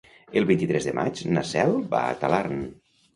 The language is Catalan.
El vint-i-tres de maig na Cel va a Talarn.